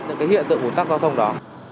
những hiện tượng ồn tắc giao thông đó